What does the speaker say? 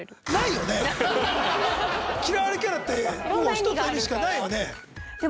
嫌われキャラってもう一つの意味しかないよね？